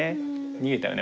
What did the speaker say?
逃げたよね？